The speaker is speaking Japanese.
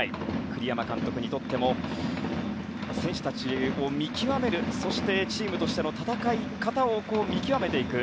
栗山監督にとっても選手たちを見極めるそして、チームとしての戦い方を見極めていく。